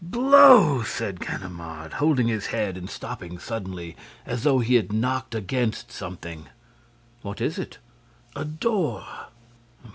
"Blow!" said Ganimard, holding his head and stopping suddenly, as though he had knocked against something. "What is it?" "A door."